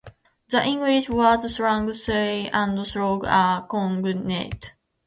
The English words "slag", "slay", and "slog" are cognates.